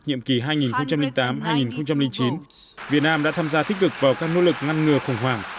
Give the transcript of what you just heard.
nhiệm kỳ hai nghìn tám hai nghìn chín việt nam đã tham gia tích cực vào các nỗ lực ngăn ngừa khủng hoảng